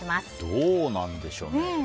どうなんでしょうね。